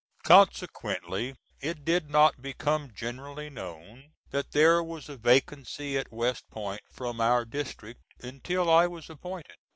Consequently it did not become generally known that there was a vacancy at West Point from our district until I was appointed.